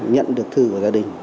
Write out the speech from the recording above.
nhận được thư của gia đình